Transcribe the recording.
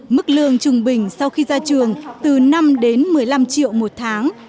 mức lương trung bình sau khi ra trường từ năm đến một mươi năm triệu một tháng